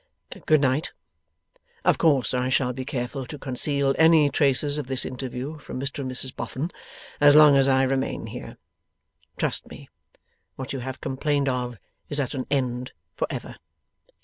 Good night. Of course I shall be careful to conceal any traces of this interview from Mr and Mrs Boffin, as long as I remain here. Trust me, what you have complained of is at an end for ever.